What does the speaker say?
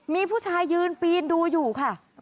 มีผู้ชายยืนปีนดูอยู่ค่ะ